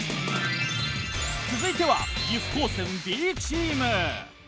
続いては岐阜高専Ｂチーム。